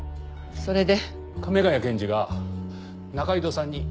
それで？